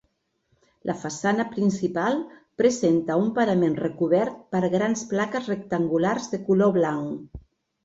La façana principal presenta un parament recobert per grans plaques rectangulars de color blanc.